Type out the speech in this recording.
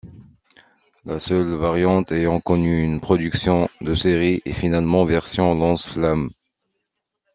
La seule variante ayant connu une production de série est finalement version lance-flammes.